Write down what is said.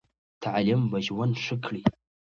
تعلیم به ژوند ښه کړي.